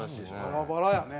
バラバラやね。